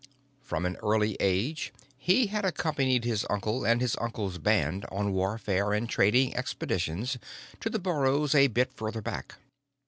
From an early age he had accompanied his uncle and his uncle's band on warfare and trading expeditions to the burrows a bit further back.